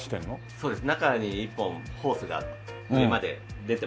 そうです。